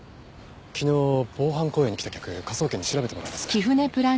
昨日防犯公演に来た客科捜研に調べてもらいます。